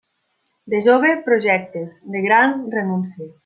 De jove, projectes; de gran, renúncies.